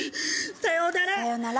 さようなら。